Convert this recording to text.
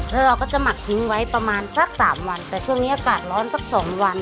แล้วเราก็จะหมักทิ้งไว้ประมาณสักสามวันแต่ช่วงนี้อากาศร้อนสักสองวัน